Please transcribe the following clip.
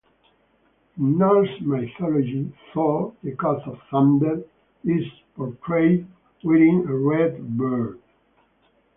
In Norse mythology, Thor the god of thunder is portrayed wearing a red beard.